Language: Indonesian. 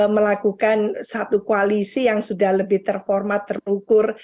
melakukan satu koalisi yang sudah lebih terformat terukur